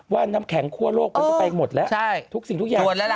ว่าน้ำแข็งคั่วโลกมันไปหมดแล้วใช่ทุกสิ่งทุกอย่างจวนแล้วแหละ